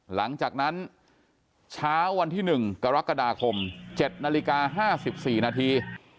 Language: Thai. หลังจากนั้นเช้าวันที่๑กรกฎาคม๗นาฬิกา๕๔นาที